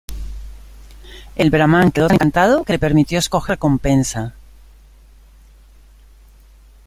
El brahmán quedó tan encantado que le permitió escoger su recompensa.